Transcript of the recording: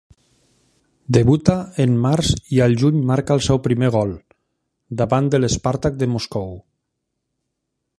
Debuta en març i al juny marca el seu primer gol, davant l'Spartak de Moscou.